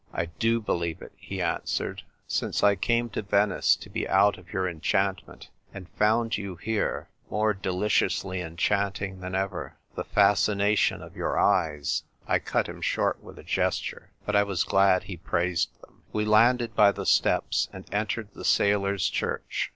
"I do believe it," he answered; "since I came to Venice to be out of your enchant ment, and found you here, more deliciously enchanting than ever. The fascination of your eyes " I cut him short with a gesture ; but I was glad he praised them. We landed by the steps, and entered the sailors' church.